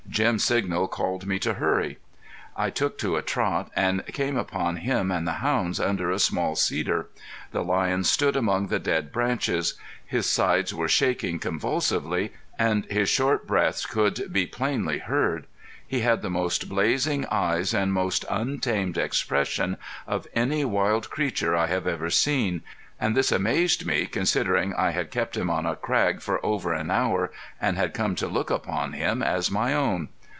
Jim's signal called me to hurry. I took to a trot and came upon him and the hounds under a small cedar. The lion stood among the dead branches. His sides where shaking convulsively, and his short breaths could be plainly heard. He had the most blazing eyes and most untamed expression of any wild creature I have ever seen; and this amazed me considering I had kept him on a crag for over an hour, and had come to look upon him as my own.